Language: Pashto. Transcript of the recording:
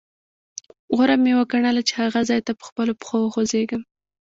غوره مې وګڼله چې هغه ځاې ته په خپلو پښو وخوځېږم.